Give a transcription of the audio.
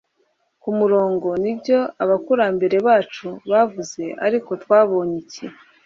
ku murongo. nibyo abakurambere bacu bavuze. ariko twabonye iki